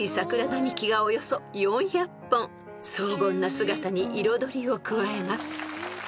［荘厳な姿に彩りを加えます］